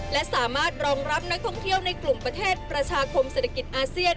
และสามารถรองรับนักท่องเที่ยวในกลุ่มประเทศประชาคมเศรษฐกิจอาเซียน